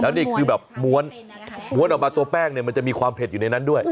นี่คือแบบม้วนม้วนออกมาตัวแป้งเนี่ยมันจะมีความเผ็ดอยู่ในนั้นด้วย